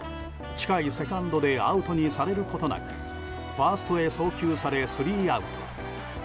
近いセカンドでアウトにされることなくファーストへ送球されスリーアウト。